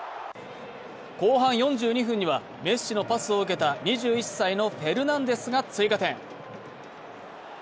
後半４２分にはメッシのパスを受けた２１歳のフェルナンデスが追加点。